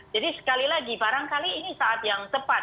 jadi sekali lagi barangkali ini saat yang tepat